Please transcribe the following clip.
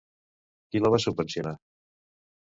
Qui la va subvencionar?